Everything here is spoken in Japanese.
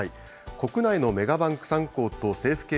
国内のメガバンク３行と政府系